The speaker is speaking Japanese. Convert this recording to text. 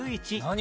何？